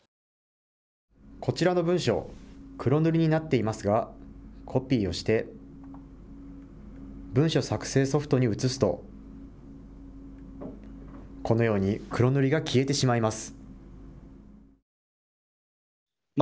こちらの文書、黒塗りになっていますがコピーをして文書作成ソフトに写すとこのように黒塗りが消えてしまいます。